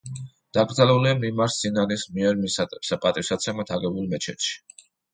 დაკრძალულია მიმარ სინანის მიერ, მის პატივსაცემად აგებულ მეჩეთში.